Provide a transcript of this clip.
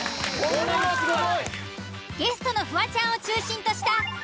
これはすごい。